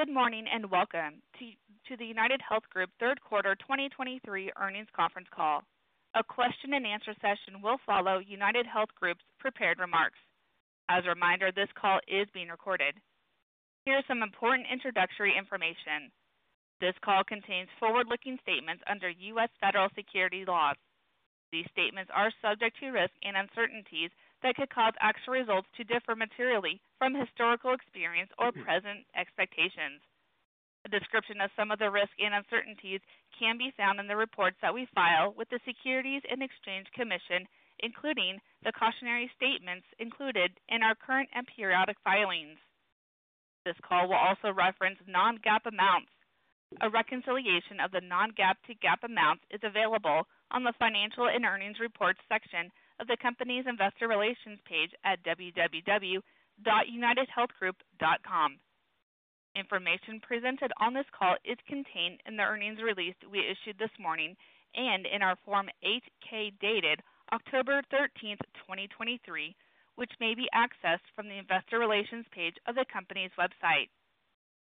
Good morning, and welcome to the UnitedHealth Group third quarter 2023 earnings conference call. A question-and-answer session will follow UnitedHealth Group's prepared remarks. As a reminder, this call is being recorded. Here are some important introductory information. This call contains forward-looking statements under U.S. federal securities laws. These statements are subject to risks and uncertainties that could cause actual results to differ materially from historical experience or present expectations. A description of some of the risks and uncertainties can be found in the reports that we file with the Securities and Exchange Commission, including the cautionary statements included in our current and periodic filings. This call will also reference non-GAAP amounts. A reconciliation of the non-GAAP to GAAP amounts is available on the Financial and Earnings Reports section of the company's investor relations page at www.unitedhealthgroup.com. Information presented on this call is contained in the earnings release we issued this morning and in our Form 8-K, dated October 13, 2023, which may be accessed from the Investor Relations page of the company's website.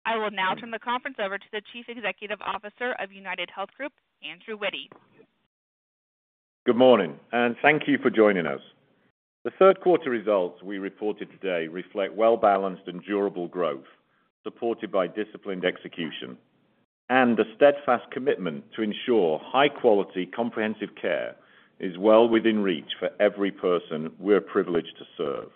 I will now turn the conference over to the Chief Executive Officer of UnitedHealth Group, Andrew Witty. Good morning, and thank you for joining us. The third quarter results we reported today reflect well balanced and durable growth, supported by disciplined execution and a steadfast commitment to ensure high-quality comprehensive care is well within reach for every person we are privileged to serve.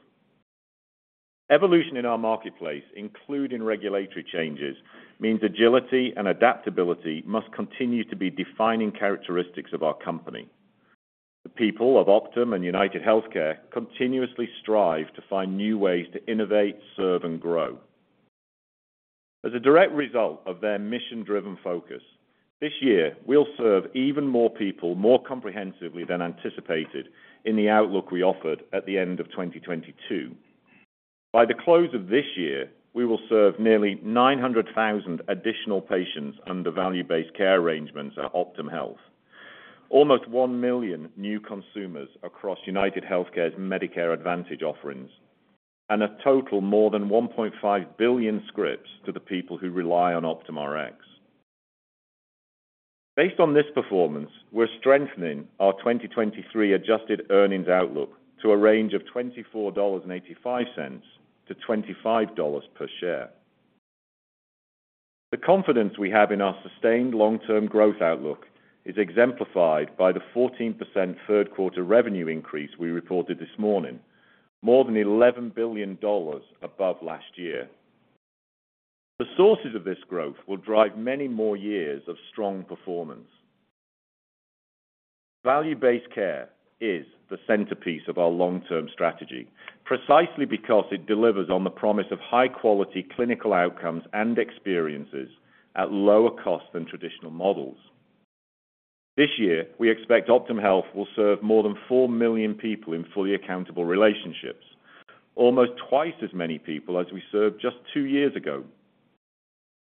Evolution in our marketplace, including regulatory changes, means agility and adaptability must continue to be defining characteristics of our company. The people of Optum and UnitedHealthcare continuously strive to find new ways to innovate, serve, and grow. As a direct result of their mission-driven focus, this year, we'll serve even more people, more comprehensively than anticipated in the outlook we offered at the end of 2022. By the close of this year, we will serve nearly 900,000 additional patients under value-based care arrangements at Optum Health. Almost 1 million new consumers across UnitedHealthcare's Medicare Advantage offerings, and a total more than 1.5 billion scripts to the people who rely on Optum Rx. Based on this performance, we're strengthening our 2023 adjusted earnings outlook to a range of $24.85-$25 per share. The confidence we have in our sustained long-term growth outlook is exemplified by the 14% third quarter revenue increase we reported this morning, more than $11 billion above last year. The sources of this growth will drive many more years of strong performance. Value-based care is the centerpiece of our long-term strategy, precisely because it delivers on the promise of high-quality clinical outcomes and experiences at lower cost than traditional models. This year, we expect Optum Health will serve more than 4 million people in fully accountable relationships, almost twice as many people as we served just two years ago.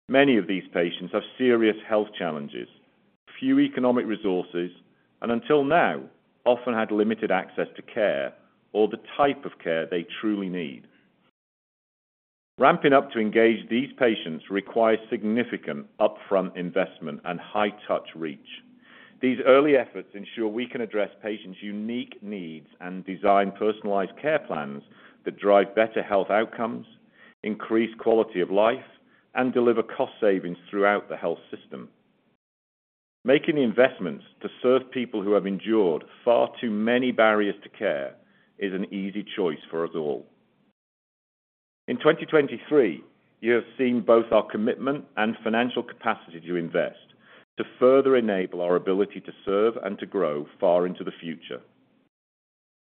Many of these patients have serious health challenges, few economic resources, and until now, often had limited access to care or the type of care they truly need. Ramping up to engage these patients requires significant upfront investment and high touch reach. These early efforts ensure we can address patients' unique needs and design personalized care plans that drive better health outcomes, increase quality of life, and deliver cost savings throughout the health system. Making the investments to serve people who have endured far too many barriers to care is an easy choice for us all. In 2023, you have seen both our commitment and financial capacity to invest, to further enable our ability to serve and to grow far into the future.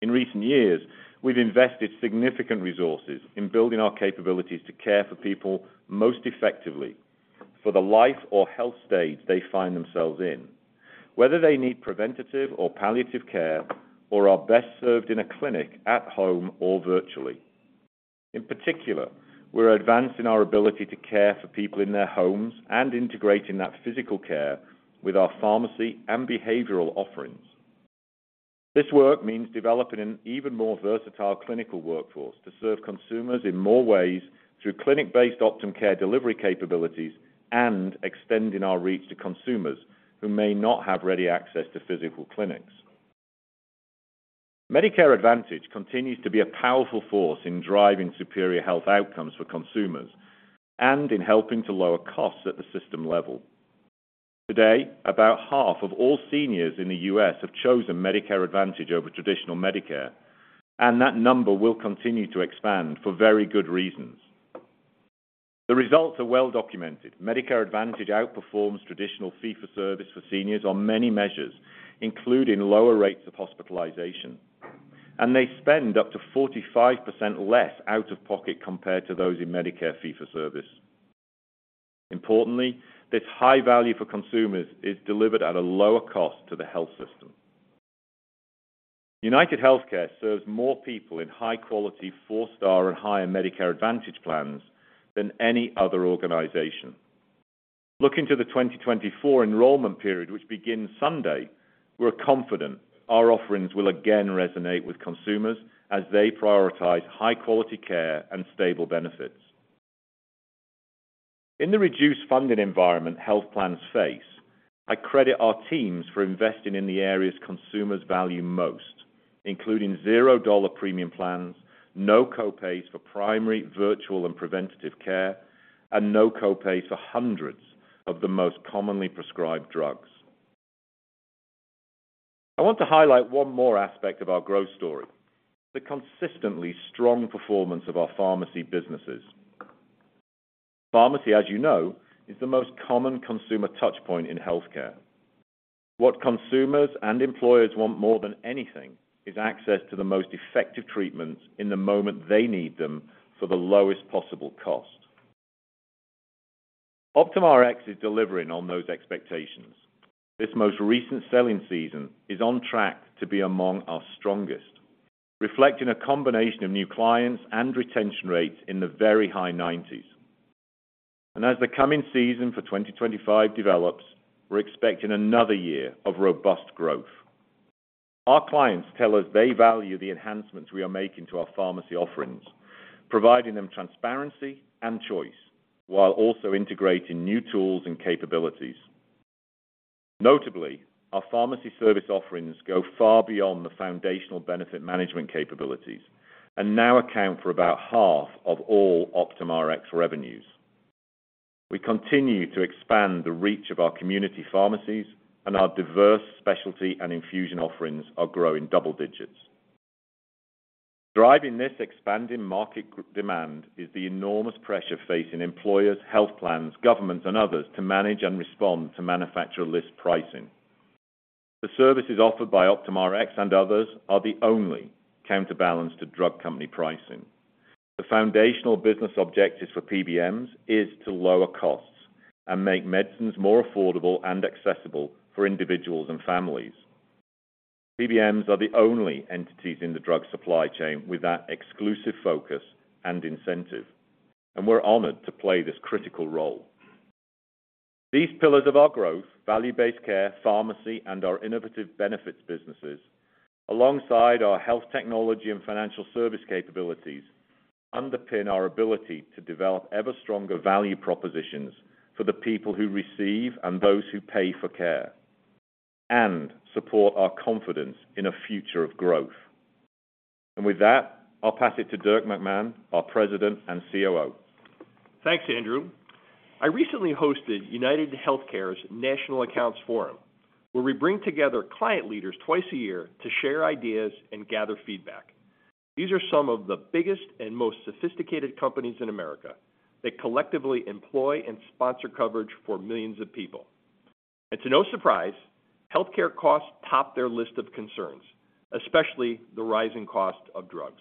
In recent years, we've invested significant resources in building our capabilities to care for people most effectively for the life or health stage they find themselves in, whether they need preventative or palliative care or are best served in a clinic, at home, or virtually. In particular, we're advancing our ability to care for people in their homes and integrating that physical care with our pharmacy and behavioral offerings. This work means developing an even more versatile clinical workforce to serve consumers in more ways through clinic-based Optum care delivery capabilities and extending our reach to consumers who may not have ready access to physical clinics. Medicare Advantage continues to be a powerful force in driving superior health outcomes for consumers and in helping to lower costs at the system level. Today, about half of all seniors in the U.S. have chosen Medicare Advantage over traditional Medicare, and that number will continue to expand for very good reasons. The results are well documented. Medicare Advantage outperforms traditional fee-for-service for seniors on many measures, including lower rates of hospitalization, and they spend up to 45% less out of pocket compared to those in Medicare fee-for-service. Importantly, this high value for consumers is delivered at a lower cost to the health system. UnitedHealthcare serves more people in high quality, four-star and higher Medicare Advantage plans than any other organization. Looking to the 2024 enrollment period, which begins Sunday, we're confident our offerings will again resonate with consumers as they prioritize high-quality care and stable benefits. In the reduced funding environment health plans face, I credit our teams for investing in the areas consumers value most, including zero dollar premium plans, no co-pays for primary, virtual, and preventative care, and no co-pays for hundreds of the most commonly prescribed drugs. I want to highlight one more aspect of our growth story, the consistently strong performance of our pharmacy businesses. Pharmacy, as you know, is the most common consumer touch point in healthcare. What consumers and employers want more than anything is access to the most effective treatments in the moment they need them, for the lowest possible cost. Optum Rx is delivering on those expectations. This most recent selling season is on track to be among our strongest, reflecting a combination of new clients and retention rates in the very high 90s. As the coming season for 2025 develops, we're expecting another year of robust growth. Our clients tell us they value the enhancements we are making to our pharmacy offerings, providing them transparency and choice, while also integrating new tools and capabilities. Notably, our pharmacy service offerings go far beyond the foundational benefit management capabilities and now account for about half of all Optum Rx revenues. We continue to expand the reach of our community pharmacies, and our diverse specialty and infusion offerings are growing double digits. Driving this expanding market demand is the enormous pressure facing employers, health plans, governments, and others to manage and respond to manufacturer list pricing. The services offered by Optum Rx and others are the only counterbalance to drug company pricing. The foundational business objectives for PBMs is to lower costs and make medicines more affordable and accessible for individuals and families. PBMs are the only entities in the drug supply chain with that exclusive focus and incentive, and we're honored to play this critical role. These pillars of our growth, value-based care, pharmacy, and our innovative benefits businesses, alongside our health technology and financial service capabilities, underpin our ability to develop ever stronger value propositions for the people who receive and those who pay for care, and support our confidence in a future of growth. With that, I'll pass it to Dirk McMahon, our President and COO. Thanks, Andrew. I recently hosted UnitedHealthcare's National Accounts Forum, where we bring together client leaders twice a year to share ideas and gather feedback. These are some of the biggest and most sophisticated companies in America that collectively employ and sponsor coverage for millions of people. It's no surprise, healthcare costs top their list of concerns, especially the rising cost of drugs.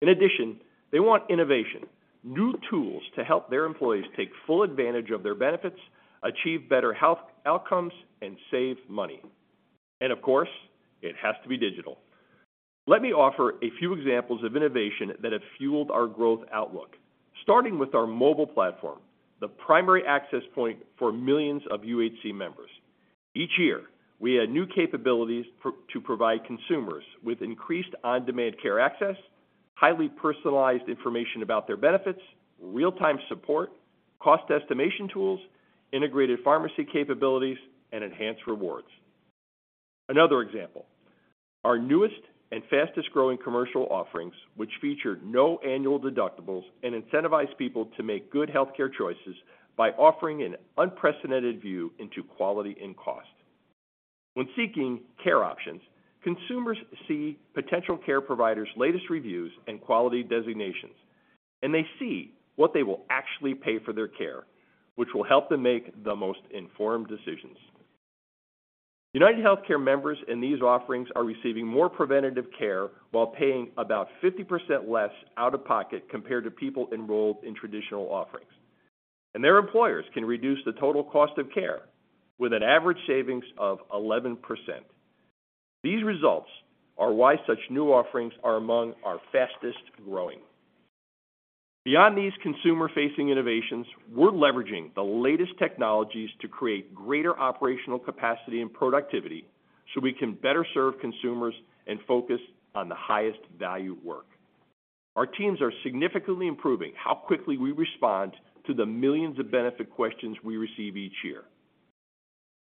In addition, they want innovation, new tools to help their employees take full advantage of their benefits, achieve better health outcomes, and save money. And of course, it has to be digital. Let me offer a few examples of innovation that have fueled our growth outlook. Starting with our mobile platform, the primary access point for millions of UHC members. Each year, we add new capabilities to provide consumers with increased on-demand care access, highly personalized information about their benefits, real-time support, cost estimation tools, integrated pharmacy capabilities, and enhanced rewards. Another example, our newest and fastest growing commercial offerings, which feature no annual deductibles and incentivize people to make good healthcare choices by offering an unprecedented view into quality and cost. When seeking care options, consumers see potential care providers' latest reviews and quality designations, and they see what they will actually pay for their care, which will help them make the most informed decisions. UnitedHealthcare members in these offerings are receiving more preventative care while paying about 50% less out of pocket compared to people enrolled in traditional offerings. Their employers can reduce the total cost of care with an average savings of 11%. These results are why such new offerings are among our fastest growing. Beyond these consumer-facing innovations, we're leveraging the latest technologies to create greater operational capacity and productivity so we can better serve consumers and focus on the highest value work. Our teams are significantly improving how quickly we respond to the millions of benefit questions we receive each year.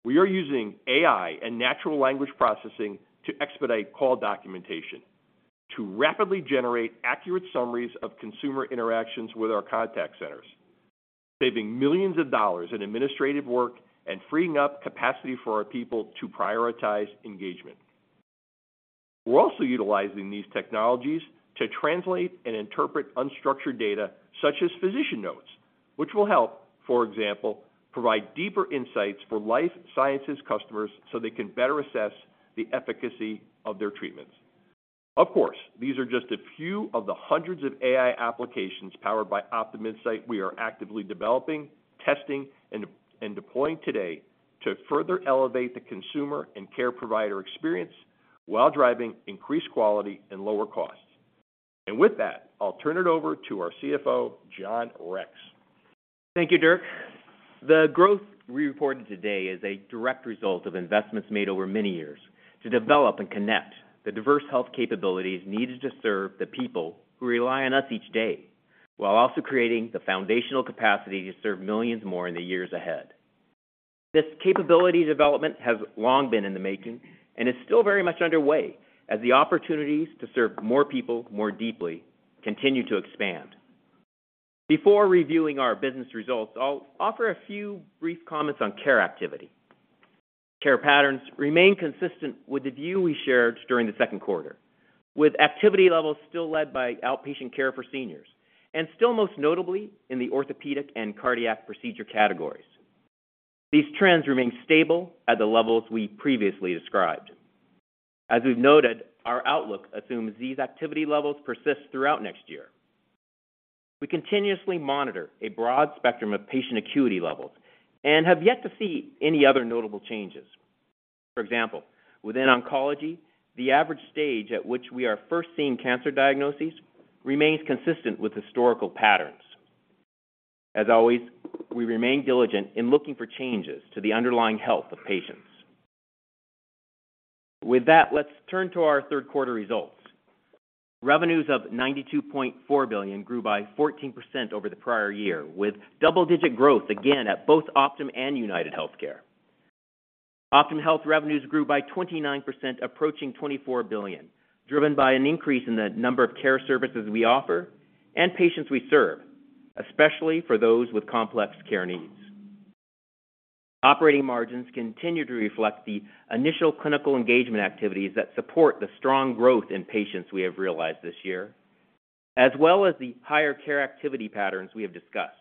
We are using AI and natural language processing to expedite call documentation, to rapidly generate accurate summaries of consumer interactions with our contact centers, saving millions of dollars in administrative work and freeing up capacity for our people to prioritize engagement. We're also utilizing these technologies to translate and interpret unstructured data, such as physician notes, which will help, for example, provide deeper insights for life sciences customers so they can better assess the efficacy of their treatments. Of course, these are just a few of the hundreds of AI applications powered by Optum Insight we are actively developing, testing, and deploying today to further elevate the consumer and care provider experience while driving increased quality and lower costs. ...And with that, I'll turn it over to our CFO, John Rex. Thank you, Dirk. The growth we reported today is a direct result of investments made over many years to develop and connect the diverse health capabilities needed to serve the people who rely on us each day, while also creating the foundational capacity to serve millions more in the years ahead. This capability development has long been in the making and is still very much underway, as the opportunities to serve more people, more deeply continue to expand. Before reviewing our business results, I'll offer a few brief comments on care activity. Care patterns remain consistent with the view we shared during the second quarter, with activity levels still led by outpatient care for seniors, and still most notably in the orthopedic and cardiac procedure categories. These trends remain stable at the levels we previously described. As we've noted, our outlook assumes these activity levels persist throughout next year. We continuously monitor a broad spectrum of patient acuity levels and have yet to see any other notable changes. For example, within oncology, the average stage at which we are first seeing cancer diagnoses remains consistent with historical patterns. As always, we remain diligent in looking for changes to the underlying health of patients. With that, let's turn to our third quarter results. Revenues of $92.4 billion grew by 14% over the prior year, with double-digit growth again at both Optum and UnitedHealthcare. Optum Health revenues grew by 29%, approaching $24 billion, driven by an increase in the number of care services we offer and patients we serve, especially for those with complex care needs. Operating margins continue to reflect the initial clinical engagement activities that support the strong growth in patients we have realized this year, as well as the higher care activity patterns we have discussed.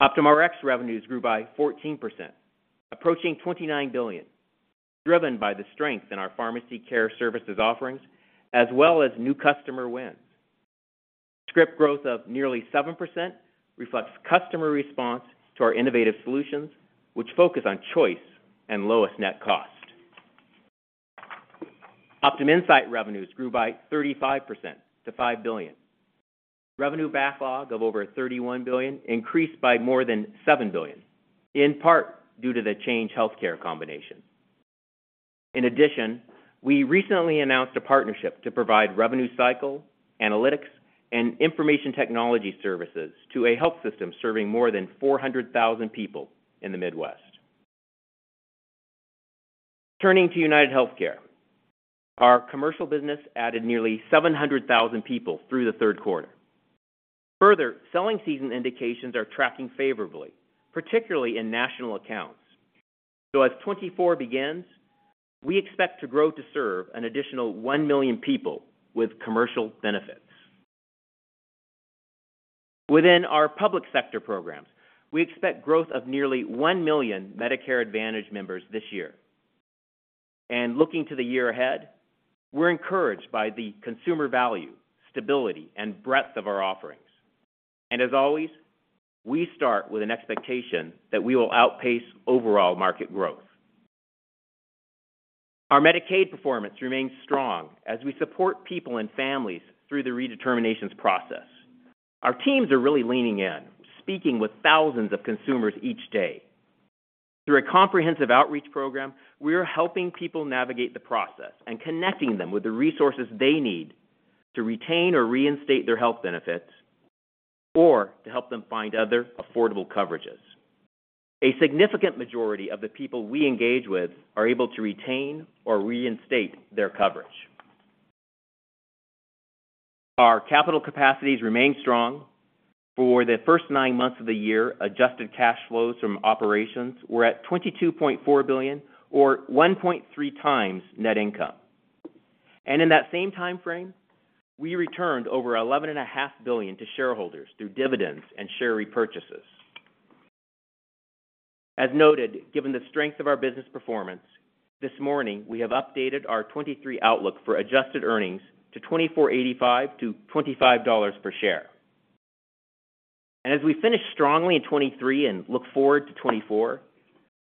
Optum Rx revenues grew by 14%, approaching $29 billion, driven by the strength in our pharmacy care services offerings as well as new customer wins. Script growth of nearly 7% reflects customer response to our innovative solutions, which focus on choice and lowest net cost. Optum Insight revenues grew by 35% to $5 billion. Revenue backlog of over $31 billion increased by more than $7 billion, in part due to the Change Healthcare combination. In addition, we recently announced a partnership to provide revenue cycle, analytics, and information technology services to a health system serving more than 400,000 people in the Midwest. Turning to UnitedHealthcare, our commercial business added nearly 700,000 people through the third quarter. Further, selling season indications are tracking favorably, particularly in national accounts. As 2024 begins, we expect to grow to serve an additional 1 million people with commercial benefits. Within our public sector programs, we expect growth of nearly 1 million Medicare Advantage members this year. Looking to the year ahead, we're encouraged by the consumer value, stability, and breadth of our offerings. As always, we start with an expectation that we will outpace overall market growth. Our Medicaid performance remains strong as we support people and families through the redeterminations process. Our teams are really leaning in, speaking with thousands of consumers each day. Through a comprehensive outreach program, we are helping people navigate the process and connecting them with the resources they need to retain or reinstate their health benefits, or to help them find other affordable coverages. A significant majority of the people we engage with are able to retain or reinstate their coverage. Our capital capacities remain strong. For the first nine months of the year, adjusted cash flows from operations were at $22.4 billion or 1.3x net income. In that same time frame, we returned over $11.5 billion to shareholders through dividends and share repurchases. As noted, given the strength of our business performance, this morning, we have updated our 2023 outlook for adjusted earnings to $24.85-$25 per share. As we finish strongly in 2023 and look forward to 2024,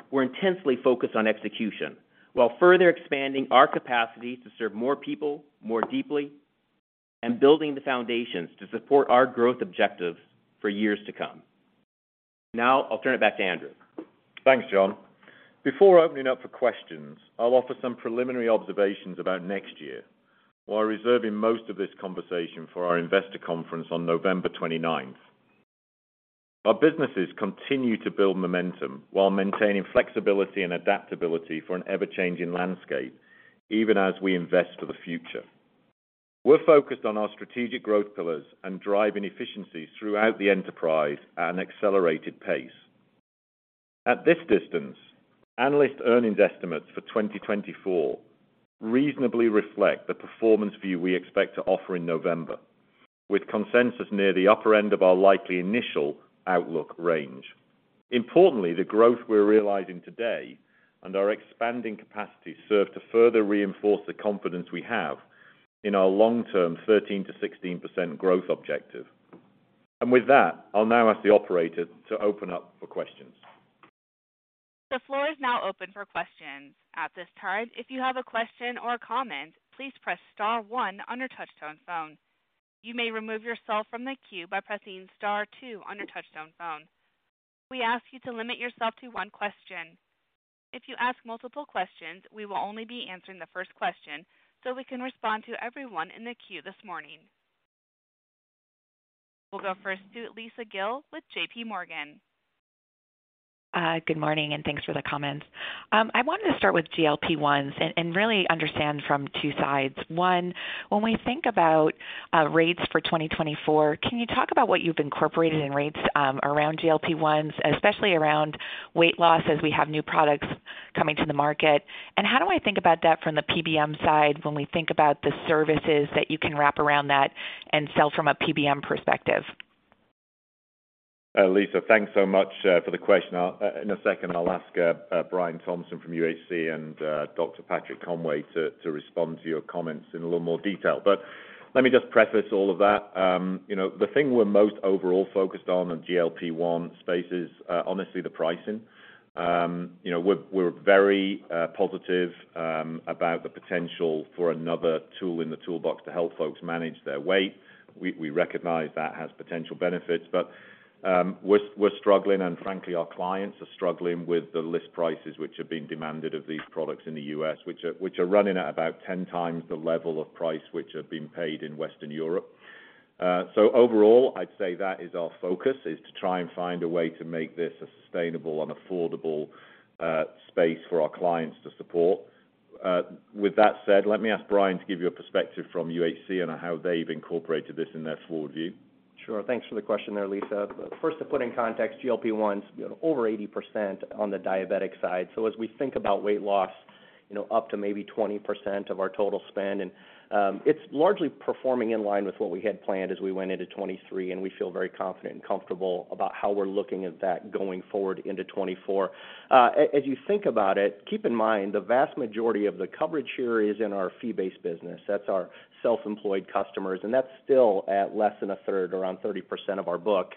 we're intensely focused on execution, while further expanding our capacity to serve more people, more deeply, and building the foundations to support our growth objectives for years to come. Now I'll turn it back to Andrew. Thanks, John. Before opening up for questions, I'll offer some preliminary observations about next year, while reserving most of this conversation for our investor conference on November 29th. Our businesses continue to build momentum while maintaining flexibility and adaptability for an ever-changing landscape, even as we invest for the future. We're focused on our strategic growth pillars and driving efficiencies throughout the enterprise at an accelerated pace. At this distance, analyst earnings estimates for 2024 reasonably reflect the performance view we expect to offer in November, with consensus near the upper end of our likely initial outlook range. Importantly, the growth we're realizing today and our expanding capacity serve to further reinforce the confidence we have in our long-term 13%-16% growth objective. With that, I'll now ask the operator to open up for questions. ... The floor is now open for questions. At this time, if you have a question or a comment, please press star one on your touchtone phone. You may remove yourself from the queue by pressing star two on your touchtone phone. We ask you to limit yourself to one question. If you ask multiple questions, we will only be answering the first question, so we can respond to everyone in the queue this morning. We'll go first to Lisa Gill with JP Morgan. Good morning, and thanks for the comments. I wanted to start with GLP-1s and really understand from two sides. One, when we think about rates for 2024, can you talk about what you've incorporated in rates around GLP-1s, especially around weight loss, as we have new products coming to the market? And how do I think about that from the PBM side when we think about the services that you can wrap around that and sell from a PBM perspective? Lisa, thanks so much for the question. In a second, I'll ask Brian Thompson from UHC and Dr. Patrick Conway to respond to your comments in a little more detail. But let me just preface all of that. You know, the thing we're most overall focused on in GLP-1 space is honestly the pricing. You know, we're very positive about the potential for another tool in the toolbox to help folks manage their weight. We recognize that has potential benefits, but we're struggling, and frankly, our clients are struggling with the list prices which are being demanded of these products in the US, which are running at about 10x the level of price which have been paid in Western Europe. Overall, I'd say that is our focus, is to try and find a way to make this a sustainable and affordable space for our clients to support. With that said, let me ask Brian to give you a perspective from UHC and how they've incorporated this in their forward view. Sure. Thanks for the question there, Lisa. First, to put in context, GLP-1 is over 80% on the diabetic side. As we think about weight loss, you know, up to maybe 20% of our total spend, and, you know, it's largely performing in line with what we had planned as we went into 2023, and we feel very confident and comfortable about how we're looking at that going forward into 2024. As you think about it, keep in mind, the vast majority of the coverage here is in our fee-based business. That's our self-employed customers, and that's still at less than a third, around 30% of our book.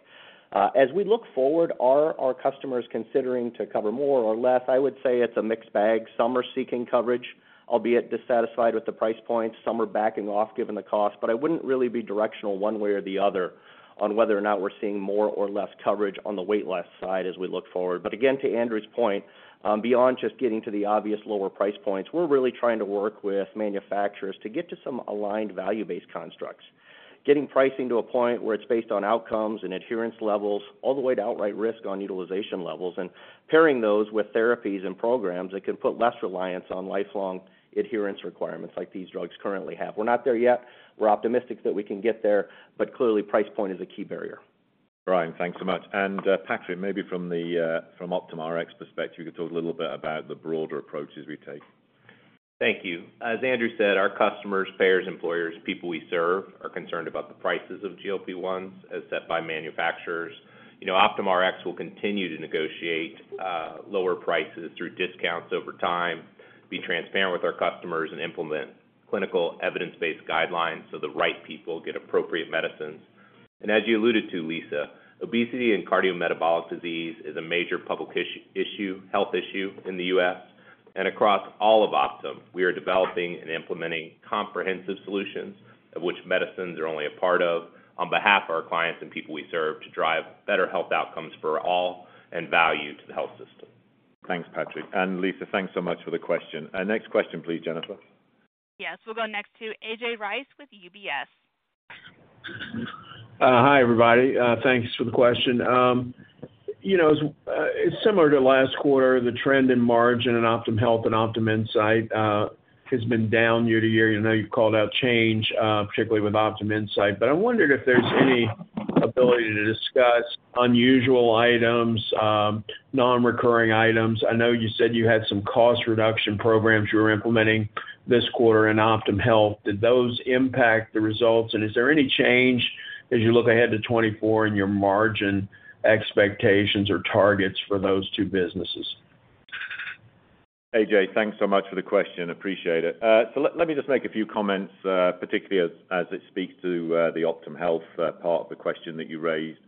As we look forward, are our customers considering to cover more or less? I would say it's a mixed bag. Some are seeking coverage, albeit dissatisfied with the price point. Some are backing off, given the cost, but I wouldn't really be directional one way or the other on whether or not we're seeing more or less coverage on the weight loss side as we look forward. But again, to Andrew's point, beyond just getting to the obvious lower price points, we're really trying to work with manufacturers to get to some aligned value-based constructs. Getting pricing to a point where it's based on outcomes and adherence levels, all the way to outright risk on utilization levels, and pairing those with therapies and programs that can put less reliance on lifelong adherence requirements like these drugs currently have. We're not there yet. We're optimistic that we can get there, but clearly, price point is a key barrier. Brian, thanks so much. Patrick, maybe from the Optum Rx perspective, you could talk a little bit about the broader approaches we take. Thank you. As Andrew said, our customers, payers, employers, people we serve, are concerned about the prices of GLP-1s as set by manufacturers. You know, OptumRx will continue to negotiate lower prices through discounts over time, be transparent with our customers, and implement clinical evidence-based guidelines so the right people get appropriate medicines. And as you alluded to, Lisa, obesity and cardiometabolic disease is a major public issue, health issue in the U.S. And across all of Optum, we are developing and implementing comprehensive solutions, of which medicines are only a part of, on behalf of our clients and people we serve, to drive better health outcomes for all and value to the health system. Thanks, Patrick. And Lisa, thanks so much for the question. Next question, please, Jennifer. Yes, we'll go next to A.J. Rice with UBS. Hi, everybody. Thanks for the question. You know, similar to last quarter, the trend in margin in Optum Health and Optum Insight has been down year-over-year. I know you've called out Change, particularly with Optum Insight, but I wondered if there's any ability to discuss unusual items, non-recurring items. I know you said you had some cost reduction programs you were implementing this quarter in Optum Health. Did those impact the results? And is there any change as you look ahead to 2024 in your margin expectations or targets for those two businesses? AJ, thanks so much for the question. Appreciate it. So let me just make a few comments, particularly as it speaks to the Optum Health part of the question that you raised.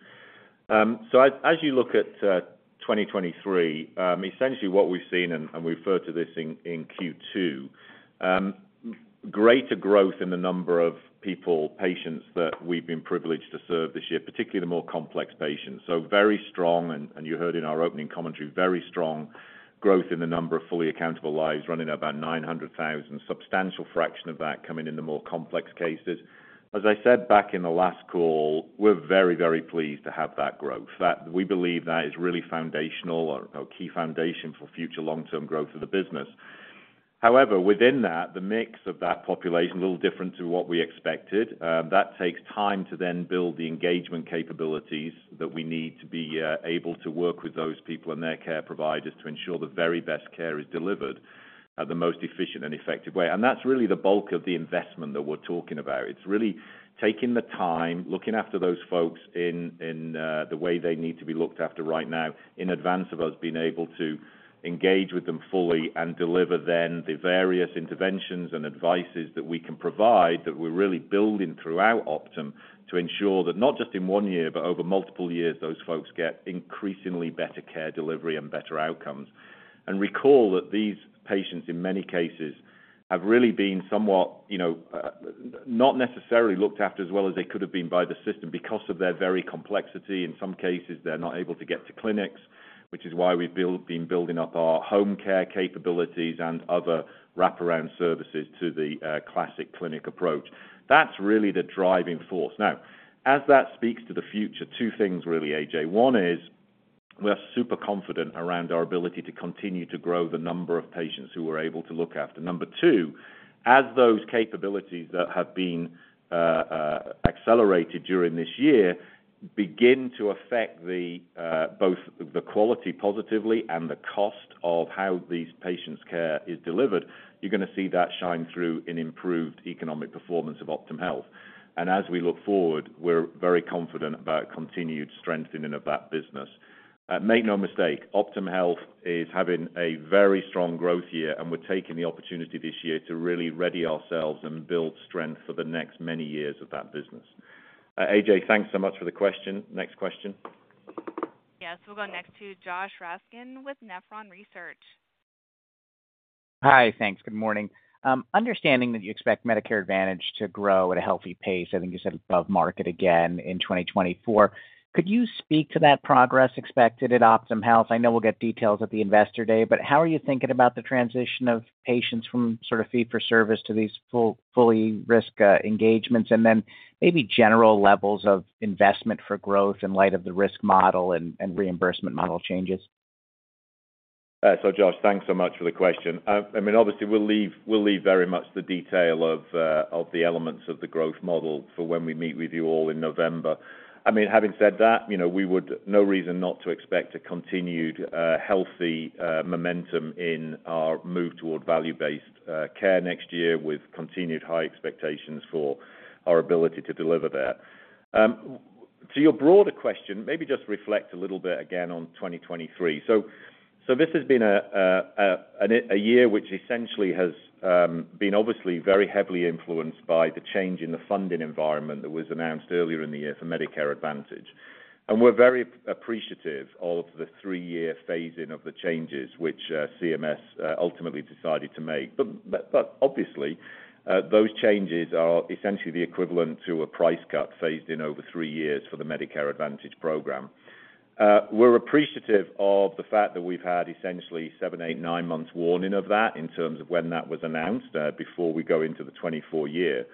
So as you look at 2023, essentially what we've seen, and we referred to this in Q2, greater growth in the number of people, patients that we've been privileged to serve this year, particularly the more complex patients. So very strong, and you heard in our opening commentary, very strong growth in the number of fully accountable lives, running at about 900,000, substantial fraction of that coming in the more complex cases. As I said back in the last call, we're very, very pleased to have that growth. We believe that is really foundational or a key foundation for future long-term growth of the business. However, within that, the mix of that population is a little different to what we expected. That takes time to then build the engagement capabilities that we need to be able to work with those people and their care providers to ensure the very best care is delivered at the most efficient and effective way. And that's really the bulk of the investment that we're talking about. It's really taking the time, looking after those folks in the way they need to be looked after right now, in advance of us being able to engage with them fully and deliver then the various interventions and advices that we can provide that we're really building throughout Optum to ensure that not just in one year, but over multiple years, those folks get increasingly better care delivery and better outcomes. Recall that these patients, in many cases, have really been somewhat, you know, not necessarily looked after as well as they could have been by the system because of their very complexity. In some cases, they're not able to get to clinics, which is why we've been building up our home care capabilities and other wraparound services to the classic clinic approach. That's really the driving force. Now, as that speaks to the future, two things, really, AJ. One is, we're super confident around our ability to continue to grow the number of patients who we're able to look after. Number 2, as those capabilities that have been accelerated during this year begin to affect both the quality positively and the cost of how these patients' care is delivered, you're gonna see that shine through in improved economic performance of Optum Health. And as we look forward, we're very confident about continued strengthening of that business. Make no mistake, Optum Health is having a very strong growth year, and we're taking the opportunity this year to really ready ourselves and build strength for the next many years of that business. AJ, thanks so much for the question. Next question. Yes, we'll go next to Josh Raskin with Nephron Research. Hi. Thanks. Good morning. Understanding that you expect Medicare Advantage to grow at a healthy pace, I think you said above market again in 2024, could you speak to that progress expected at Optum Health? I know we'll get details at the Investor Day, but how are you thinking about the transition of patients from sort of fee-for-service to these full, fully risk engagements? And then maybe general levels of investment for growth in light of the risk model and reimbursement model changes. So Josh, thanks so much for the question. I mean, obviously, we'll leave very much the detail of the elements of the growth model for when we meet with you all in November. I mean, having said that, you know, we would no reason not to expect a continued healthy momentum in our move toward value-based care next year, with continued high expectations for our ability to deliver that. To your broader question, maybe just reflect a little bit again on 2023. So this has been a year which essentially has been obviously very heavily influenced by the change in the funding environment that was announced earlier in the year for Medicare Advantage. And we're very appreciative of the three-year phase-in of the changes, which CMS ultimately decided to make. But, but, but obviously, those changes are essentially the equivalent to a price cut phased in over 3 years for the Medicare Advantage program. We're appreciative of the fact that we've had essentially 7, 8, 9 months warning of that in terms of when that was announced, before we go into the 2024 year.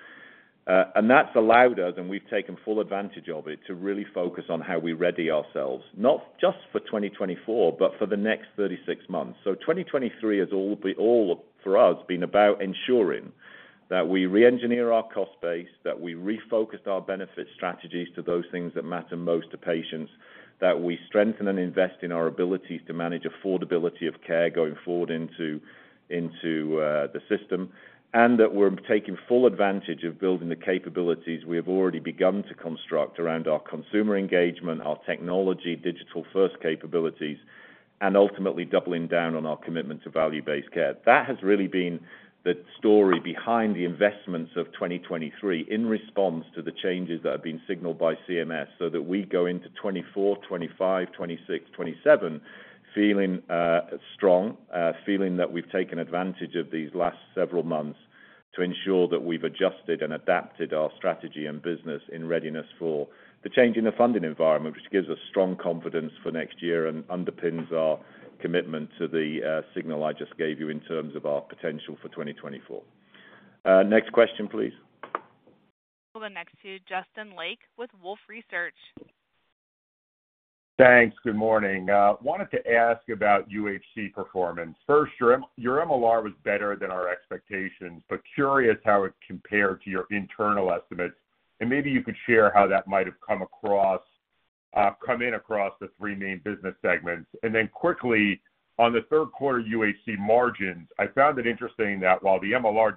And that's allowed us, and we've taken full advantage of it, to really focus on how we ready ourselves, not just for 2024, but for the next 36 months. 2023 has all, for us, been about ensuring that we reengineer our cost base, that we refocused our benefit strategies to those things that matter most to patients, that we strengthen and invest in our abilities to manage affordability of care going forward into the system, and that we're taking full advantage of building the capabilities we have already begun to construct around our consumer engagement, our technology, digital-first capabilities, and ultimately doubling down on our commitment to value-based care. That has really been the story behind the investments of 2023 in response to the changes that have been signaled by CMS, so that we go into 2024, 2025, 2026, 2027, feeling strong feeling that we've taken advantage of these last several months to ensure that we've adjusted and adapted our strategy and business in readiness for the change in the funding environment, which gives us strong confidence for next year and underpins our commitment to the signal I just gave you in terms of our potential for 2024. Next question, please. Well, the next to Justin Lake with Wolfe Research. Thanks. Good morning. Wanted to ask about UHC performance. First, your MLR was better than our expectations, but curious how it compared to your internal estimates, and maybe you could share how that might have come across, come in across the three main business segments. And then quickly, on the third quarter UHC margins, I found it interesting that while the MLR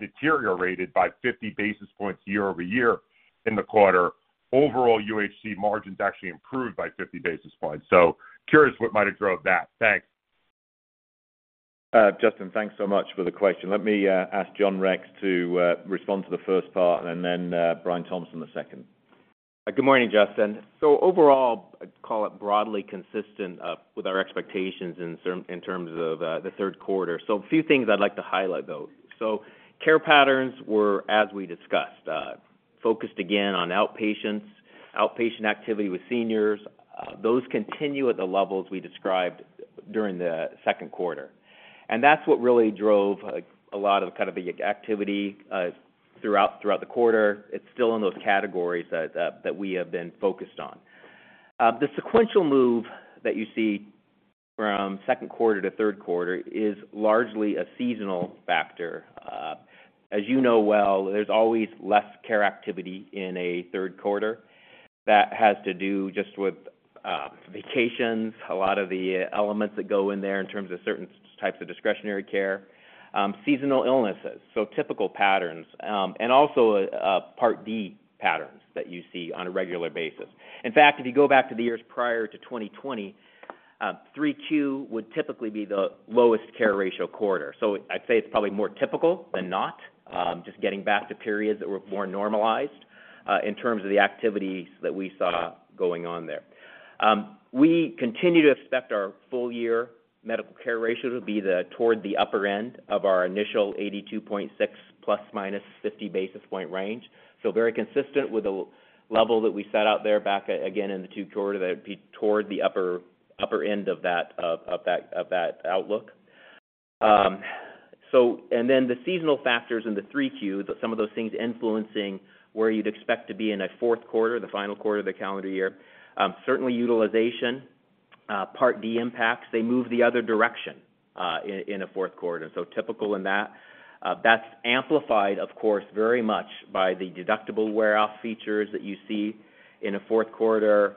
deteriorated by 50 basis points year-over-year in the quarter, overall UHC margins actually improved by 50 basis points. So curious what might have drove that. Thanks. Justin, thanks so much for the question. Let me ask John Rex to respond to the first part and then Brian Thompson the second. Good morning, Justin. So overall, I'd call it broadly consistent with our expectations in terms of the third quarter. So a few things I'd like to highlight, though. So care patterns were, as we discussed, focused again on outpatients, outpatient activity with seniors. Those continue at the levels we described during the second quarter. And that's what really drove a lot of kind of the activity throughout the quarter. It's still in those categories that we have been focused on. The sequential move that you see from second quarter to third quarter is largely a seasonal factor. As you know well, there's always less care activity in a third quarter. That has to do just with vacations, a lot of the elements that go in there in terms of certain types of discretionary care, seasonal illnesses, so typical patterns, and also, Part D patterns that you see on a regular basis. In fact, if you go back to the years prior to 2020, 3Q would typically be the lowest care ratio quarter. So I'd say it's probably more typical than not, just getting back to periods that were more normalized, in terms of the activities that we saw going on there. We continue to expect our full year medical care ratios will be toward the upper end of our initial 82.6 ± 50 basis point range. So very consistent with the level that we set out there back again in the 2Q, that would be toward the upper end of that outlook.... So and then the seasonal factors in the 3Q, some of those things influencing where you'd expect to be in a fourth quarter, the final quarter of the calendar year. Certainly utilization, Part D impacts, they move the other direction, in a fourth quarter. So typical in that. That's amplified, of course, very much by the deductible wear-off features that you see in a fourth quarter,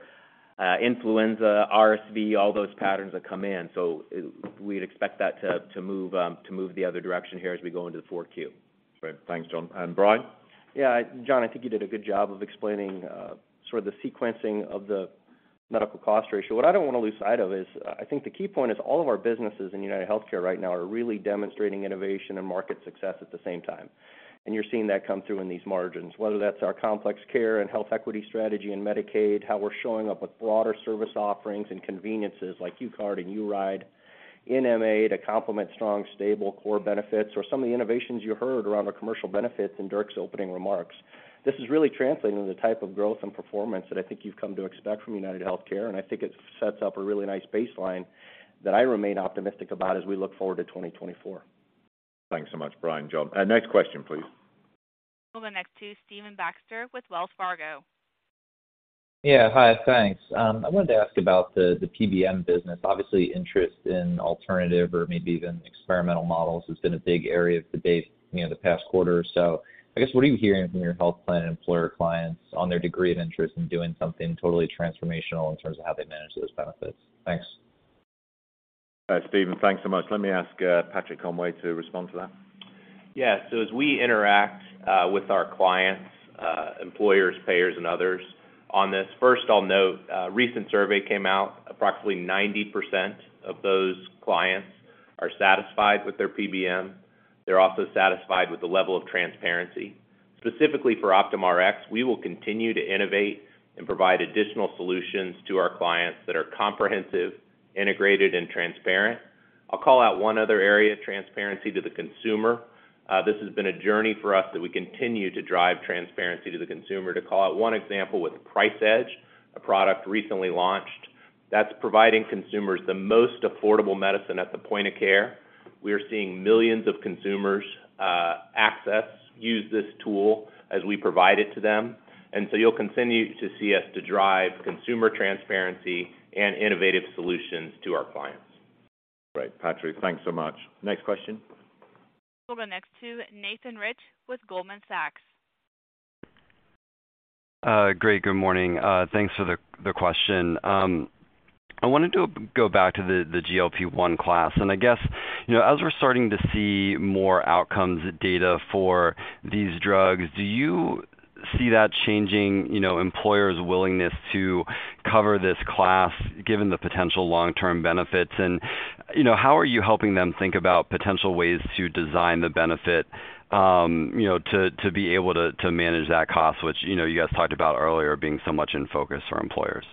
influenza, RSV, all those patterns that come in. So we'd expect that to, to move, to move the other direction here as we go into the 4Q. Great. Thanks, John. And Brian? Yeah, John, I think you did a good job of explaining sort of the sequencing of the medical cost ratio. What I don't wanna lose sight of is, I think the key point is all of our businesses in UnitedHealthcare right now are really demonstrating innovation and market success at the same time. And you're seeing that come through in these margins, whether that's our complex care and health equity strategy in Medicaid, how we're showing up with broader service offerings and conveniences like UCard and URide in MA to complement strong, stable core benefits, or some of the innovations you heard around our commercial benefits in Dirk's opening remarks. This is really translating to the type of growth and performance that I think you've come to expect from UnitedHealthcare, and I think it sets up a really nice baseline that I remain optimistic about as we look forward to 2024. Thanks so much, Brian. John. Next question, please. We'll go next to Stephen Baxter with Wells Fargo. Yeah. Hi, thanks. I wanted to ask about the PBM business. Obviously, interest in alternative or maybe even experimental models has been a big area of debate, you know, the past quarter or so. I guess, what are you hearing from your health plan and employer clients on their degree of interest in doing something totally transformational in terms of how they manage those benefits? Thanks. Stephen, thanks so much. Let me ask Patrick Conway to respond to that. Yeah. So as we interact with our clients, employers, payers, and others on this, first, I'll note, a recent survey came out. Approximately 90% of those clients are satisfied with their PBM. They're also satisfied with the level of transparency. Specifically for Optum Rx, we will continue to innovate and provide additional solutions to our clients that are comprehensive, integrated, and transparent. I'll call out one other area, transparency to the consumer. This has been a journey for us, that we continue to drive transparency to the consumer. To call out one example, with Price Edge, a product recently launched, that's providing consumers the most affordable medicine at the point of care. We are seeing millions of consumers access, use this tool as we provide it to them. And so you'll continue to see us to drive consumer transparency and innovative solutions to our clients. Great, Patrick. Thanks so much. Next question? We'll go next to Nathan Rich with Goldman Sachs. Great. Good morning. Thanks for the, the question. I wanted to go back to the, the GLP-1 class, and I guess, you know, as we're starting to see more outcomes data for these drugs, do you see that changing, you know, employers' willingness to cover this class, given the potential long-term benefits? And, you know, how are you helping them think about potential ways to design the benefit, you know, to, to be able to, to manage that cost, which, you know, you guys talked about earlier, being so much in focus for employers?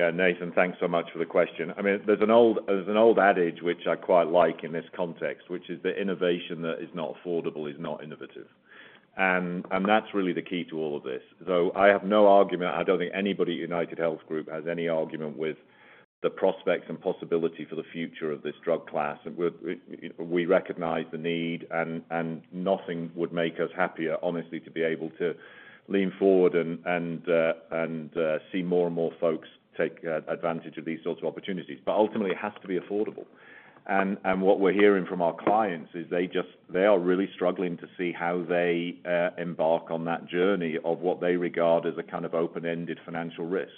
Yeah, Nathan, thanks so much for the question. I mean, there's an old adage which I quite like in this context, which is that innovation that is not affordable is not innovative. And that's really the key to all of this, though I have no argument, I don't think anybody at UnitedHealth Group has any argument with the prospects and possibility for the future of this drug class. And we recognize the need, and nothing would make us happier, honestly, to be able to lean forward and see more and more folks take advantage of these sorts of opportunities. But ultimately, it has to be affordable. What we're hearing from our clients is they just, they are really struggling to see how they embark on that journey of what they regard as a kind of open-ended financial risk.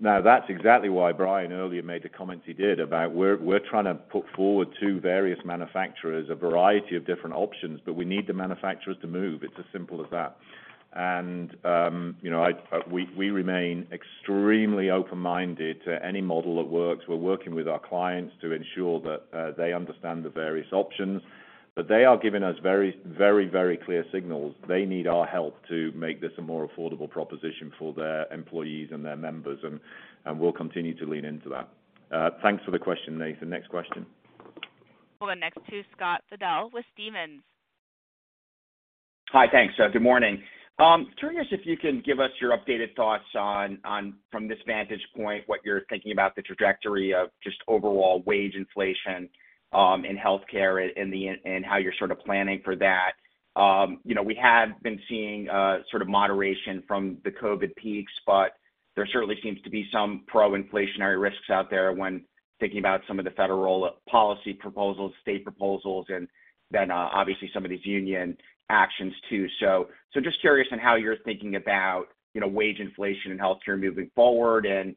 Now, that's exactly why Brian earlier made the comments he did about we're trying to put forward to various manufacturers a variety of different options, but we need the manufacturers to move. It's as simple as that. And, you know, we remain extremely open-minded to any model that works. We're working with our clients to ensure that they understand the various options, but they are giving us very, very, very clear signals. They need our help to make this a more affordable proposition for their employees and their members, and we'll continue to lean into that. Thanks for the question, Nathan. Next question. We'll go next to Scott Fidel with Stephens. Hi, thanks. Good morning. Curious if you can give us your updated thoughts on, from this vantage point, what you're thinking about the trajectory of just overall wage inflation in healthcare and how you're sort of planning for that. You know, we have been seeing sort of moderation from the COVID peaks, but there certainly seems to be some pro-inflationary risks out there when thinking about some of the federal policy proposals, state proposals, and then obviously some of these union actions too. So just curious on how you're thinking about, you know, wage inflation and healthcare moving forward and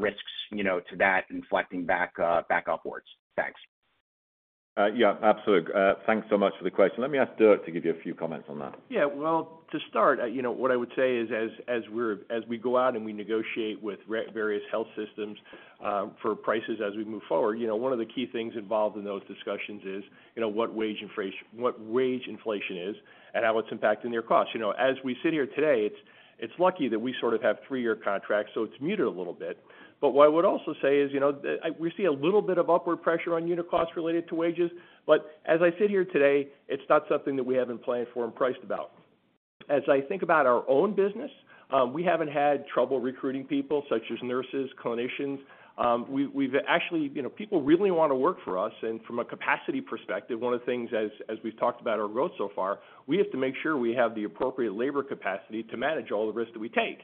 risks, you know, to that inflating back back upwards. Thanks. Yeah, absolutely. Thanks so much for the question. Let me ask Dirk to give you a few comments on that. Yeah. Well, to start, you know, what I would say is, as we're as we go out and we negotiate with various health systems, for prices as we move forward, you know, one of the key things involved in those discussions is, you know, what wage inflation is and how it's impacting their costs. You know, as we sit here today, it's lucky that we sort of have three-year contracts, so it's muted a little bit. But what I would also say is, you know, we see a little bit of upward pressure on unit costs related to wages, but as I sit here today, it's not something that we haven't planned for and priced about.... As I think about our own business, we haven't had trouble recruiting people such as nurses, clinicians. We've actually, you know, people really want to work for us, and from a capacity perspective, one of the things as we've talked about our growth so far, we have to make sure we have the appropriate labor capacity to manage all the risk that we take.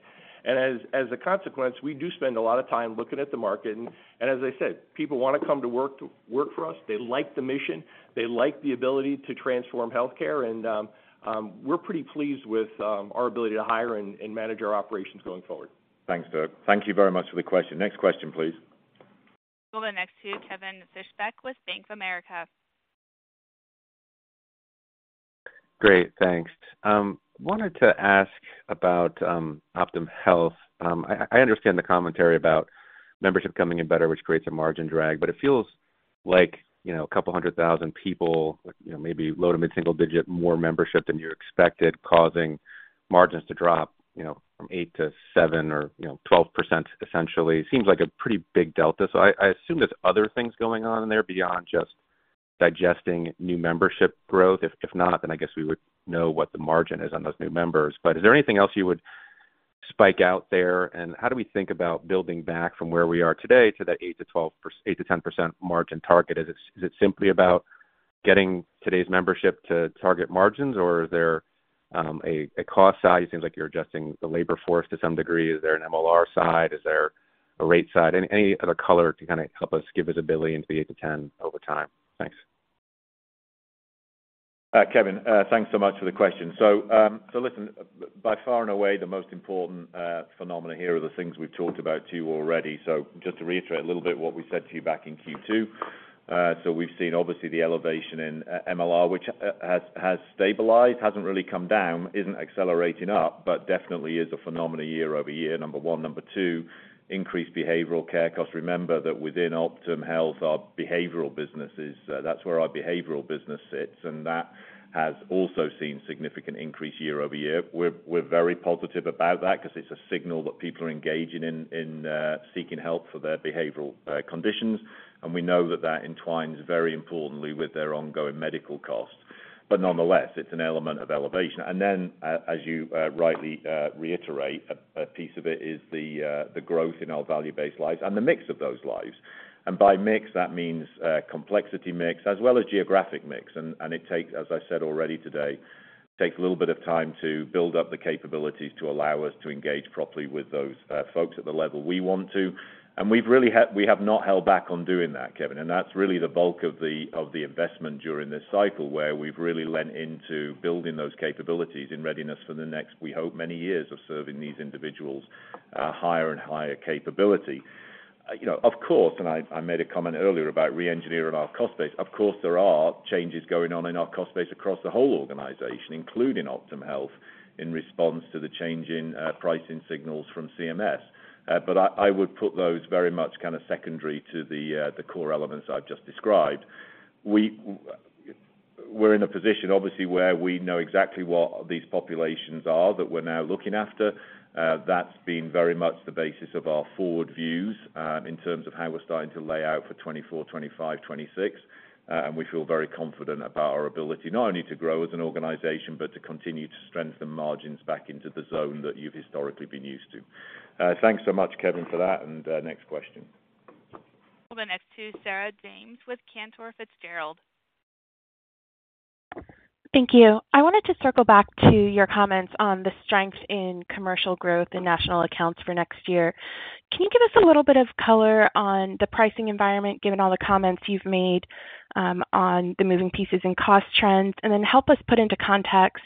And as a consequence, we do spend a lot of time looking at the market. And as I said, people want to come to work, to work for us. They like the mission, they like the ability to transform healthcare, and we're pretty pleased with our ability to hire and manage our operations going forward. Thanks, Dirk. Thank you very much for the question. Next question, please. We'll go next to Kevin Fischbeck with Bank of America. Great, thanks. Wanted to ask about Optum Health. I understand the commentary about membership coming in better, which creates a margin drag, but it feels like, you know, 200,000 people, you know, maybe low- to mid-single-digit more membership than you expected, causing margins to drop, you know, from 8%-7% or, you know, 12%, essentially. Seems like a pretty big delta. So I assume there's other things going on in there beyond just digesting new membership growth. If not, then I guess we would know what the margin is on those new members. But is there anything else you would spike out there? And how do we think about building back from where we are today to that 8%-12%, 8%-10% margin target? Is it simply about getting today's membership to target margins, or is there a cost side? It seems like you're adjusting the labor force to some degree. Is there an MLR side? Is there a rate side? Any other color to kind of help us give visibility into the 8-10 over time? Thanks. Kevin, thanks so much for the question. So, so listen, by far and away, the most important phenomena here are the things we've talked about to you already. So just to reiterate a little bit what we said to you back in Q2. So we've seen obviously the elevation in MLR, which has stabilized, hasn't really come down, isn't accelerating up, but definitely is a phenomena year over year, number one. Number two, increased behavioral care costs. Remember that within Optum Health, our behavioral businesses, that's where our behavioral business sits, and that has also seen significant increase year over year. We're very positive about that because it's a signal that people are engaging in seeking help for their behavioral conditions, and we know that that entwines very importantly with their ongoing medical costs. But nonetheless, it's an element of elevation. And then, as you rightly reiterate, a piece of it is the growth in our value-based lives and the mix of those lives. And by mix, that means complexity mix as well as geographic mix. And it takes, as I said already today, takes a little bit of time to build up the capabilities to allow us to engage properly with those folks at the level we want to. And we have not held back on doing that, Kevin, and that's really the bulk of the investment during this cycle, where we've really lent into building those capabilities in readiness for the next, we hope, many years of serving these individuals higher and higher capability. You know, of course, and I made a comment earlier about reengineering our cost base. Of course, there are changes going on in our cost base across the whole organization, including Optum Health, in response to the change in pricing signals from CMS. But I would put those very much kind of secondary to the core elements I've just described. We're in a position, obviously, where we know exactly what these populations are that we're now looking after. That's been very much the basis of our forward views in terms of how we're starting to lay out for 2024, 2025, 2026. And we feel very confident about our ability, not only to grow as an organization, but to continue to strengthen margins back into the zone that you've historically been used to. Thanks so much, Kevin, for that, and next question. We'll go next to Sarah James with Cantor Fitzgerald. Thank you. I wanted to circle back to your comments on the strength in commercial growth in national accounts for next year. Can you give us a little bit of color on the pricing environment, given all the comments you've made, on the moving pieces and cost trends? And then help us put into context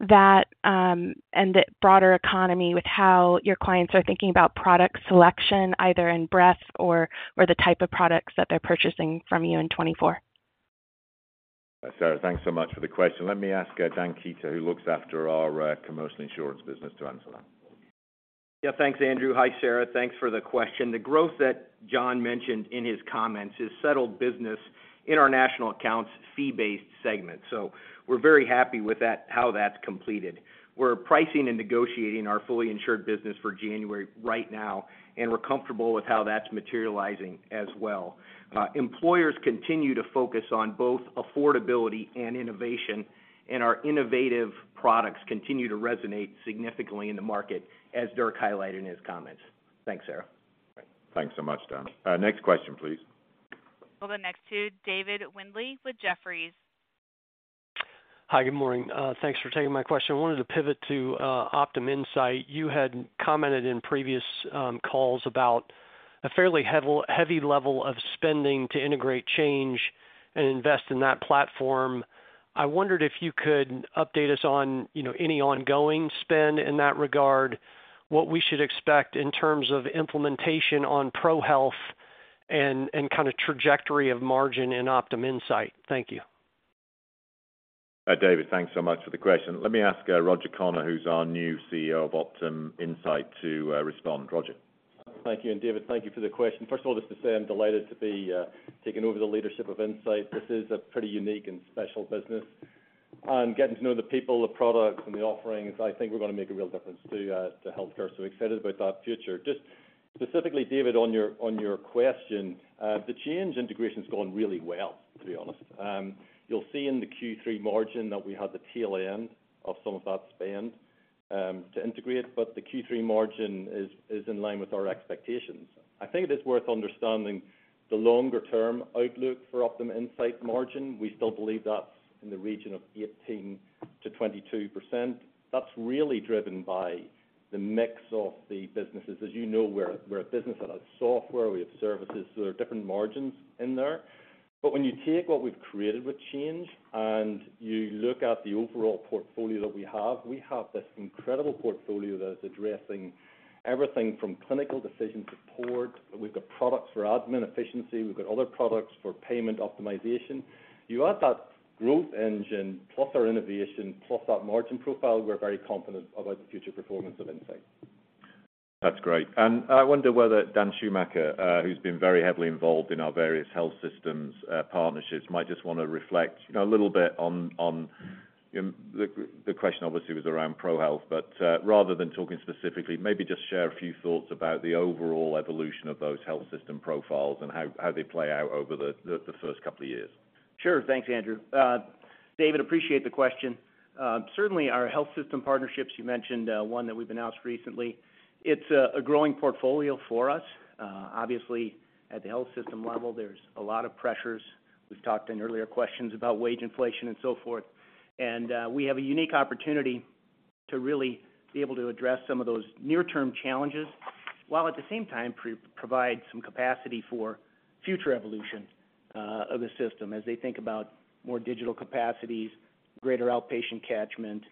that, and the broader economy with how your clients are thinking about product selection, either in breadth or, or the type of products that they're purchasing from you in 2024. Sarah, thanks so much for the question. Let me ask Dan Kueter, who looks after our, commercial insurance business, to answer that. Yeah, thanks, Andrew. Hi, Sarah. Thanks for the question. The growth that John mentioned in his comments is settled business in our national accounts fee-based segment. So we're very happy with that, how that's completed. We're pricing and negotiating our fully insured business for January right now, and we're comfortable with how that's materializing as well. Employers continue to focus on both affordability and innovation, and our innovative products continue to resonate significantly in the market, as Dirk highlighted in his comments. Thanks, Sarah. Thanks so much, Dan. Next question, please. We'll go next to David Windley with Jefferies. Hi, good morning. Thanks for taking my question. I wanted to pivot to Optum Insight. You had commented in previous calls about a fairly heavy level of spending to integrate Change and invest in that platform. I wondered if you could update us on, you know, any ongoing spend in that regard, what we should expect in terms of implementation on ProHealth, and kind of trajectory of margin in Optum Insight. Thank you. David, thanks so much for the question. Let me ask Roger Connor, who's our new CEO of Optum Insight, to respond. Roger? Thank you. David, thank you for the question. First of all, just to say I'm delighted to be taking over the leadership of Insight. This is a pretty unique and special business, and getting to know the people, the products, and the offerings, I think we're going to make a real difference to healthcare, so excited about that future. Just—specifically, David, on your question, the Change integration's gone really well, to be honest. You'll see in the Q3 margin that we had the tail end of some of that spend to integrate, but the Q3 margin is in line with our expectations. I think it is worth understanding the longer-term outlook for Optum Insight margin. We still believe that's in the region of 18%-22%. That's really driven by the mix of the businesses. As you know, we're a business that has software, we have services, so there are different margins in there. When you take what we've created with Change, and you look at the overall portfolio that we have, we have this incredible portfolio that is addressing everything from clinical decision support. We've got products for admin efficiency, we've got other products for payment optimization. You add that growth engine, plus our innovation, plus that margin profile, we're very confident about the future performance of Insight. That's great. And I wonder whether Dan Schumacher, who's been very heavily involved in our various health systems, partnerships, might just wanna reflect, you know, a little bit on the question obviously was around ProHealth, but, rather than talking specifically, maybe just share a few thoughts about the overall evolution of those health system profiles and how they play out over the first couple of years. Sure. Thanks, Andrew. David, appreciate the question. Certainly, our health system partnerships, you mentioned, one that we've announced recently. It's a growing portfolio for us. Obviously, at the health system level, there's a lot of pressures. We've talked in earlier questions about wage inflation and so forth, and we have a unique opportunity to really be able to address some of those near-term challenges, while at the same time, provide some capacity for future evolution, of the system as they think about more digital capacities, greater outpatient catchment,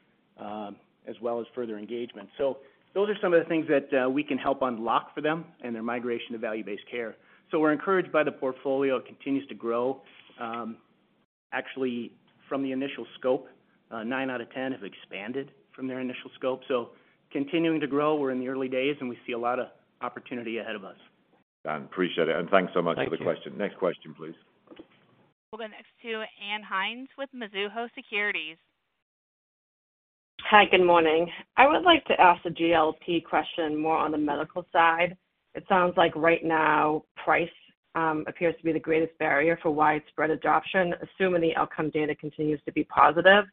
as well as further engagement. So those are some of the things that we can help unlock for them and their migration to value-based care. So we're encouraged by the portfolio. It continues to grow. Actually, from the initial scope, nine out of ten have expanded from their initial scope, so continuing to grow. We're in the early days, and we see a lot of opportunity ahead of us. Dan, appreciate it, and thanks so much for the question. Thank you. Next question, please. We'll go next to Ann Hynes with Mizuho Securities. Hi, good morning. I would like to ask a GLP question more on the medical side. It sounds like right now, price appears to be the greatest barrier for widespread adoption, assuming the outcome data continues to be positive.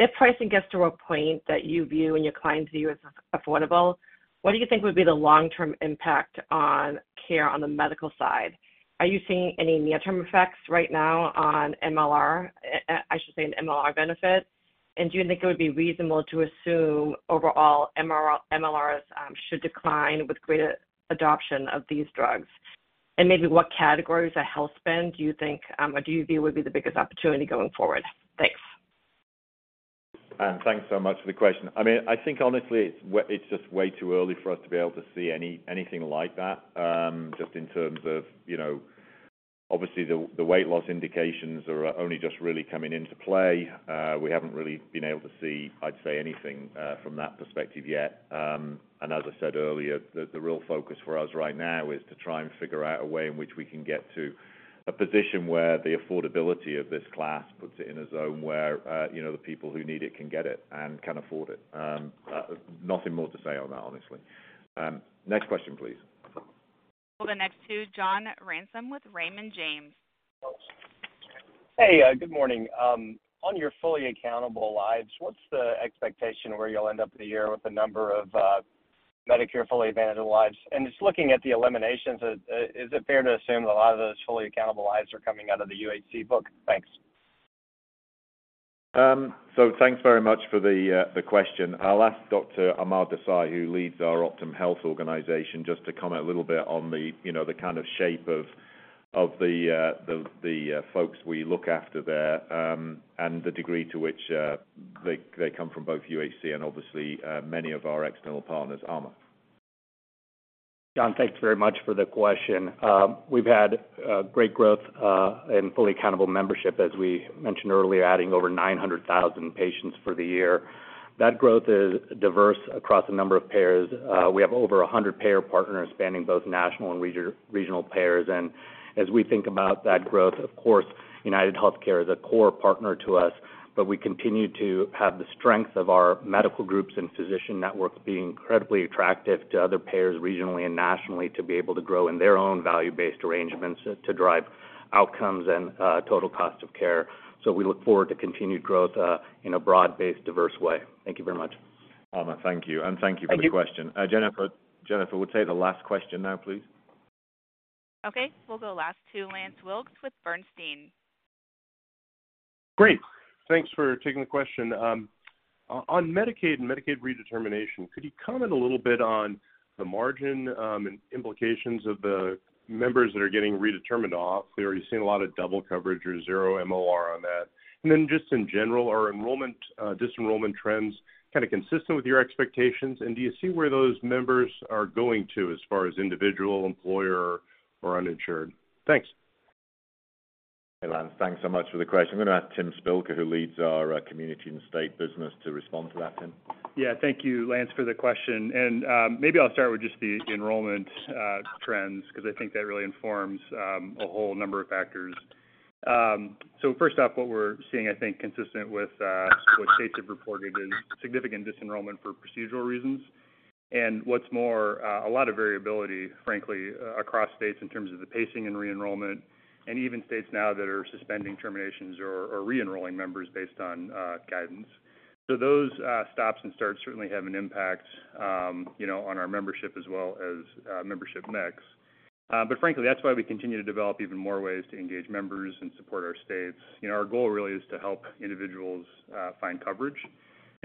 If pricing gets to a point that you view and your clients view as affordable, what do you think would be the long-term impact on care on the medical side? Are you seeing any near-term effects right now on MLR, I should say, an MLR benefit? And do you think it would be reasonable to assume overall MCR- MLRs should decline with greater adoption of these drugs? And maybe what categories of health spend do you think, or do you view would be the biggest opportunity going forward? Thanks. Anne, thanks so much for the question. I mean, I think honestly, it's just way too early for us to be able to see anything like that, just in terms of, you know, obviously, the weight loss indications are only just really coming into play. We haven't really been able to see, I'd say, anything from that perspective yet. And as I said earlier, the real focus for us right now is to try and figure out a way in which we can get to a position where the affordability of this class puts it in a zone where, you know, the people who need it can get it and can afford it. Nothing more to say on that, honestly. Next question, please. We'll go next to John Ransom with Raymond James. Hey, good morning. On your fully accountable lives, what's the expectation where you'll end up the year with the number of Medicare Advantage lives? And just looking at the eliminations, is it fair to assume that a lot of those fully accountable lives are coming out of the UHC book? Thanks. So thanks very much for the question. I'll ask Dr. Amar Desai, who leads our Optum Health organization, just to comment a little bit on the, you know, the kind of shape of the folks we look after there, and the degree to which they come from both UHC and obviously many of our external partners. Amar? John, thanks very much for the question. We've had great growth in fully accountable membership, as we mentioned earlier, adding over 900,000 patients for the year. That growth is diverse across a number of payers. We have over 100 payer partners spanning both national and regional payers. And as we think about that growth, of course, UnitedHealthcare is a core partner to us, but we continue to have the strength of our medical groups and physician networks being incredibly attractive to other payers, regionally and nationally, to be able to grow in their own value-based arrangements to drive outcomes and total cost of care. So we look forward to continued growth in a broad-based, diverse way. Thank you very much. Amar, thank you, and thank you for the question. Thank you. Jennifer. Jennifer, we'll take the last question now, please. Okay. We'll go last to Lance Wilkes with Bernstein. Great. Thanks for taking the question. On Medicaid and Medicaid redetermination, could you comment a little bit on the margin and implications of the members that are getting redetermined off? Are you seeing a lot of double coverage or zero MLR on that? And then just in general, are enrollment disenrollment trends kind of consistent with your expectations, and do you see where those members are going to as far as individual, employer, or uninsured? Thanks. Hey, Lance, thanks so much for the question. I'm gonna ask Tim Spilker, who leads our community and state business, to respond to that, Tim. Yeah, thank you, Lance, for the question. Maybe I'll start with just the enrollment trends, because I think that really informs a whole number of factors. First off, what we're seeing, I think, consistent with what states have reported is significant disenrollment for procedural reasons. What's more, a lot of variability, frankly, across states in terms of the pacing and re-enrollment, and even states now that are suspending terminations or re-enrolling members based on guidance. Those stops and starts certainly have an impact, you know, on our membership as well as membership mix. Frankly, that's why we continue to develop even more ways to engage members and support our states. You know, our goal really is to help individuals find coverage.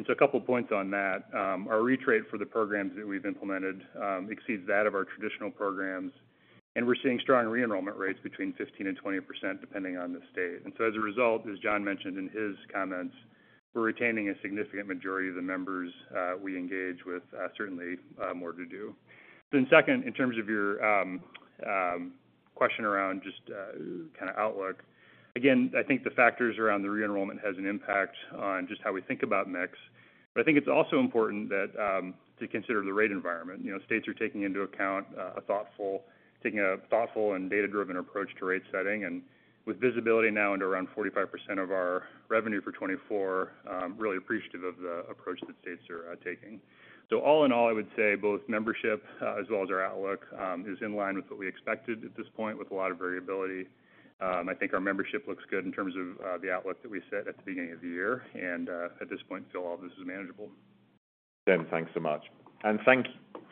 A couple of points on that. Our reach rate for the programs that we've implemented exceeds that of our traditional programs, and we're seeing strong re-enrollment rates between 15% and 20%, depending on the state. And so as a result, as John mentioned in his comments, we're retaining a significant majority of the members we engage with, certainly more to do. Then second, in terms of your question around just kinda outlook. Again, I think the factors around the re-enrollment has an impact on just how we think about mix. But I think it's also important that to consider the rate environment. You know, states are taking into account a thoughtful and data-driven approach to rate setting. And with visibility now into around 45% of our revenue for 2024, really appreciative of the approach that states are taking. All in all, I would say both membership, as well as our outlook, is in line with what we expected at this point, with a lot of variability. I think our membership looks good in terms of the outlook that we set at the beginning of the year, and at this point, feel all this is manageable. Tim, thanks so much.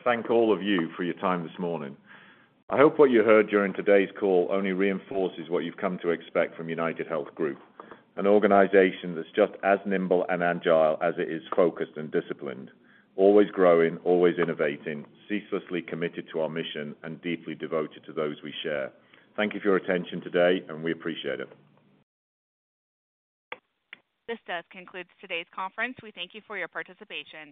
Thank all of you for your time this morning. I hope what you heard during today's call only reinforces what you've come to expect from UnitedHealth Group, an organization that's just as nimble and agile as it is focused and disciplined, always growing, always innovating, ceaselessly committed to our mission, and deeply devoted to those we share. Thank you for your attention today, and we appreciate it. This does conclude today's conference. We thank you for your participation.